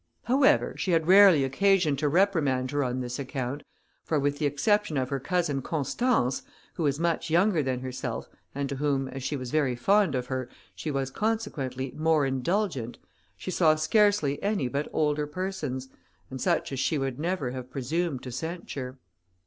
However, she had rarely occasion to reprimand her on this account, for with the exception of her cousin Constance, who was much younger than herself, and to whom, as she was very fond of her, she was, consequently, more indulgent, she saw scarcely any but older persons, and such as she would never have presumed to censure.